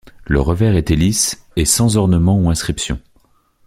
Le revers était lisse et sans ornement ou inscription.